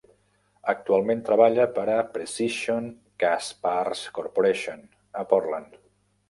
Actualment treballa per a Precision Castparts Corporation a Portland.